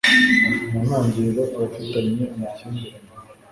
mu ntangiriro abafitanye amakimbirane